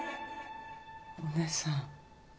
お義姉さん